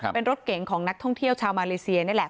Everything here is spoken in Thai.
เป็นรถเก๋งของนักท่องเที่ยวชาวมาเลเซียนี่แหละ